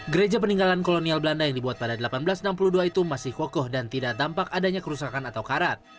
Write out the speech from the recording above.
gereja peninggalan kolonial belanda yang dibuat pada seribu delapan ratus enam puluh dua itu masih kokoh dan tidak tampak adanya kerusakan atau karat